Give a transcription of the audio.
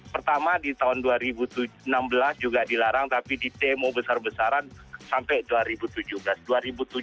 pertama di tahun dua ribu enam belas juga dilarang tapi ditemo besar besaran sampai dua ribu tujuh belas